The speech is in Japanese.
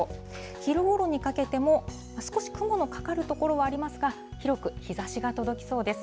昼ごろにかけても、少し雲のかかる所はありますが、広く日ざしが届きそうです。